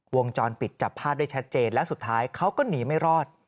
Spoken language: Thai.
วงจรปิดจับภาพได้ชัดเจนแล้วสุดท้ายเขาก็หนีไม่รอด